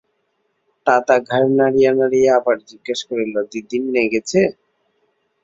তাতা ঘাড় নাড়িয়া নাড়িয়া আবার জিজ্ঞাসা করিল, দিদির নেগেছে?